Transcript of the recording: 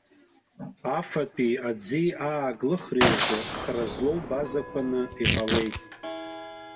Афатәи, аӡи, ааглыхреи рзы хра злоу базақәаны иҟалеит.